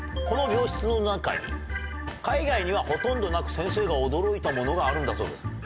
この病室の中に海外にはほとんどなく先生が驚いたものがあるんだそうです。